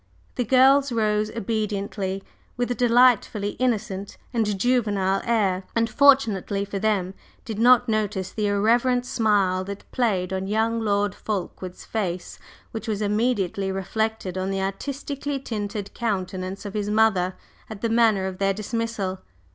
The "girls" rose obediently with a delightfully innocent and juvenile air, and fortunately for them did not notice the irreverent smile that played on young Lord Fulkeward's face, which was immediately reflected on the artistically tinted countenance of his mother, at the manner of their dismissal.